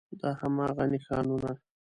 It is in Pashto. دا هماغه نښانونه